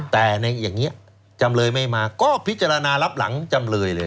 แต่ในอย่างนี้จำเลยไม่มาก็พิจารณารับหลังจำเลยเลย